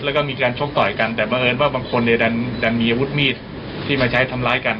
แล้วก็มีการชกต่อยกันแต่บังเอิญว่าบางคนเนี่ยดันมีอาวุธมีดที่มาใช้ทำร้ายกัน